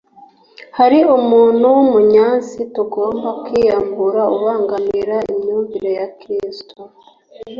hari umuntu w’umunyasi tugomba kwiyambura ubangamira imyumvire ya gikristu